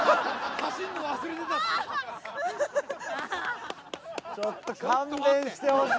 走るの忘れてたって。